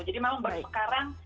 jadi memang baru sekarang